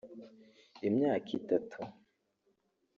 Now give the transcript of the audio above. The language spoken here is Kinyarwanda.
Imyaka itatu